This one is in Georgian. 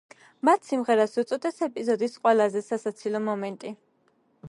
მათ სიმღერას უწოდეს ეპიზოდის ყველაზე სასაცილო მომენტი.